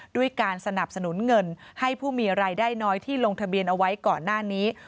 ด้วยการสนับสนุนเงินให้ผู้มีรายได้น้อยที่ลงทะเบียนเอาไว้ก่อนหน้านี้